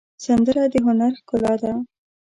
سندره د هنر ښکلا ده